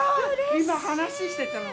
今、話ししてたの。